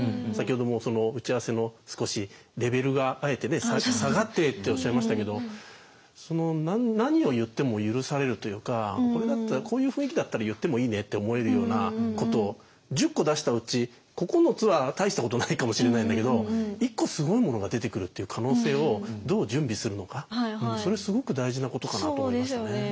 先ほども打ち合わせの少しレベルがあえて下がってっておっしゃいましたけど何を言っても許されるというかこれだったらこういう雰囲気だったら言ってもいいねって思えるようなことを１０個出したうち９つは大したことないかもしれないんだけど１個すごいものが出てくるっていう可能性をどう準備するのかそれすごく大事なことかなと思いますね。